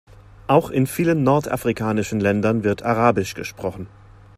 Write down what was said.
Auch in vielen nordafrikanischen Ländern wird arabisch gesprochen.